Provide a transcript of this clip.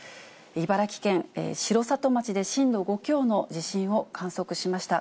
茨城県城里町で震度５強の地震を観測しました。